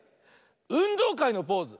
「うんどうかい」のポーズ。